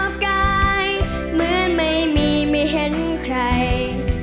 กายเหมือนไม่มีไม่เห็นใคร